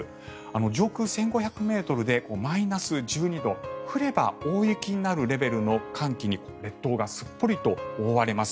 上空１５００ｍでマイナス１２度降れば大雪になるレベルの寒気に列島がすっぽりと覆われます。